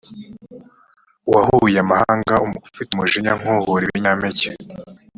wahuye amahanga ufite umujinya nk’uhura ibinyampeke